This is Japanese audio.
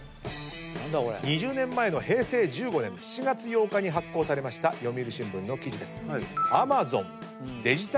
２０年前の平成１５年７月８日に発行されました読売新聞の記事です。